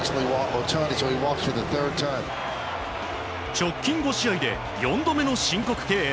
直近５試合で４度目の申告敬遠。